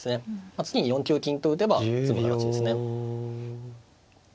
次に４九金と打てば詰む形ですね。